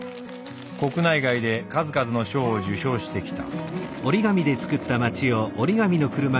国内外で数々の賞を受賞してきた。